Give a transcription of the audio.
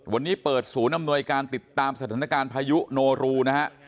วันนี้เปิดศูนย์อำนวยการติดตามสถานการณ์พายุโนรูนะฮะ